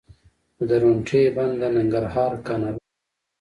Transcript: د درونټې بند د ننګرهار کانالونه ډکوي